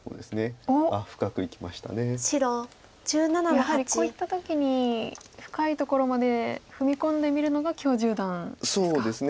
やはりこういった時に深いところまで踏み込んでみるのが許十段ですか。